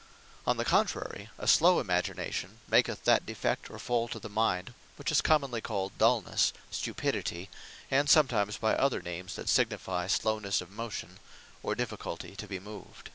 On the Contrary a slow Imagination, maketh that Defect, or fault of the mind, which is commonly called DULNESSE, Stupidity, and sometimes by other names that signifie slownesse of motion, or difficulty to be moved.